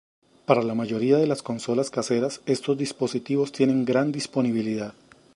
Para la mayoría de las consolas caseras estos dispositivos tienen gran disponibilidad.